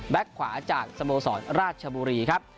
ขวาจากสโมสรราชบุรีครับ